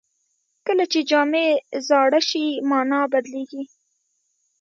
کله چې جامې زاړه شي، مانا بدلېږي.